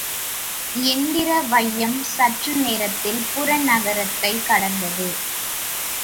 எந்திர வையம் சற்று நேரத்தில் புறநகரத்தைக் கடந்தது.